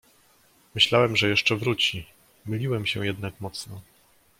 "Myślałem, że jeszcze wróci, myliłem się jednak mocno."